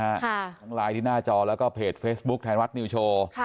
ทั้งไลน์ที่หน้าจอแล้วก็เพจเฟซบุ๊คไทยรัฐนิวโชว์